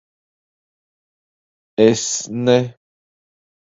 Es ne...